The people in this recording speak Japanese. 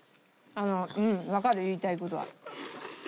うんわかる言いたい事は。